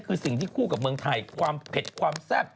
ก็คู่กับเมืองไทยความเผ็ดความแซ่บ